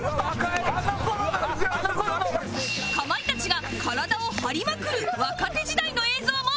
かまいたちが体を張りまくる若手時代の映像も！